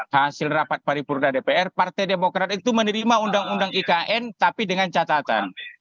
hasil rapat paripurna dpr partai demokrat itu menerima undang undang ikn tapi dengan catatan